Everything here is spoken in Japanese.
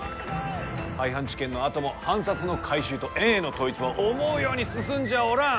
廃藩置県のあとも藩札の回収と、円への統一は思うように進んじゃおらん。